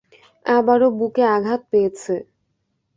আবারও বুকে আঘাত পেয়েছে।